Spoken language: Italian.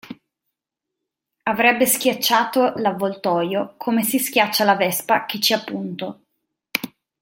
Avrebbe schiacciato l'avvoltoio come si schiaccia la vespa che ci ha punto.